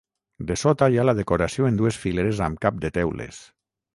Dessota hi ha decoració en dues fileres amb cap de teules.